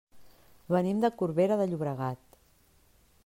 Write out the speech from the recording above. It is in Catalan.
Venim de Corbera de Llobregat.